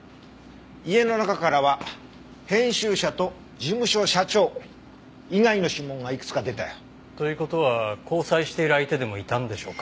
家の中からは編集者と事務所社長以外の指紋がいくつか出たよ。という事は交際している相手でもいたんでしょうか？